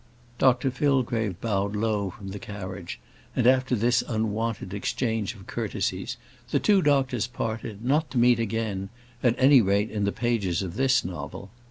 Dr Fillgrave bowed low from the carriage, and after this unwonted exchange of courtesies, the two doctors parted, not to meet again at any rate, in the pages of this novel.